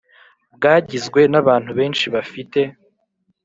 Bwagizwe N Abantu Benshi Bafite